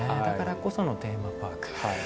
だからこそのテーマパーク。